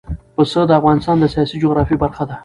پسه د افغانستان د سیاسي جغرافیه برخه ده.